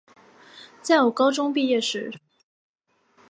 在我高中毕业时